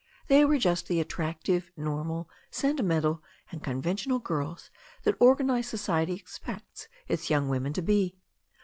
They were just the attractive, normal, sentimental and con ventional girls that organized society expects its young women to be.